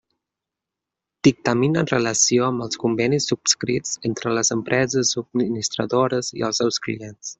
Dictamina en relació amb els convenis subscrits entre les empreses subministradores i els seus clients.